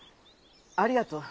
ありがとう。